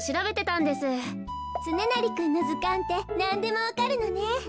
つねなりくんのずかんってなんでもわかるのね。